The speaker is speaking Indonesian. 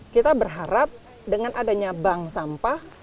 kita berharap dengan adanya bank sampah